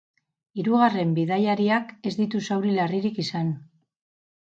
Hirugarren bidaiariak ez ditu zauri larririk izan.